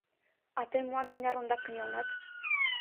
— А тый молан тынар ондак кынелынат?